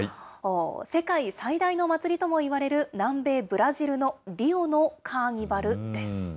世界最大の祭りともいわれる、南米ブラジルのリオのカーニバルです。